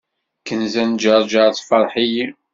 Kenza n ǧerǧer tefreḥ-iyi.